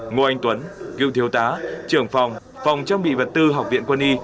ngô anh tuấn cựu thiếu tá trưởng phòng phòng trang bị vật tư học viện quân y